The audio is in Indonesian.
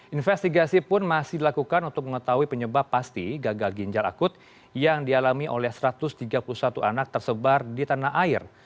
investigasi pun masih dilakukan untuk mengetahui penyebab pasti gagal ginjal akut yang dialami oleh satu ratus tiga puluh satu anak tersebar di tanah air